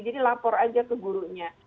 jadi lapor aja ke gurunya